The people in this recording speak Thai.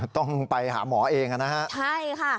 ต้องไปหาหมอเองนะฮะใช่ค่ะ